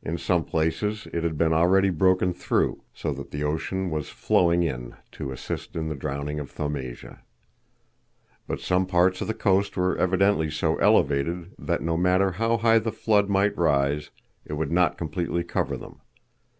In some places it had been already broken through, so that the ocean was flowing in to assist in the drowning of Thaumasia. But some parts of the coast were evidently so elevated that no matter how high the flood might rise it would not completely cover them.